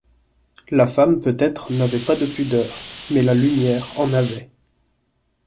La femme peut-être n’avait pas de pudeur, mais la lumière en avait.